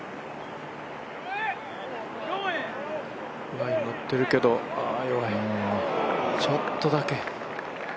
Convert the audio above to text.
ラインにのってるけどああ、弱い、ちょっとだけ。